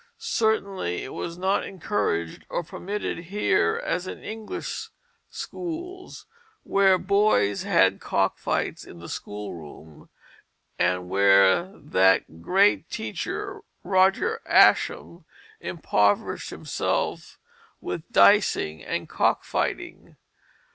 Certainly it was not encouraged or permitted here as in English schools, where boys had cock fights in the schoolroom; and where that great teacher, Roger Ascham, impoverished himself with dicing and cock fighting.